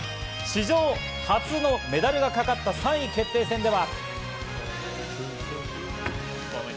史上初のメダルがかかった３位決定戦では。